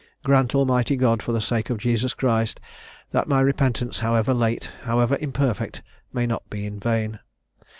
Grant, Almighty God, for the sake of Jesus Christ, that my repentance, however late, however imperfect, may not be in vain!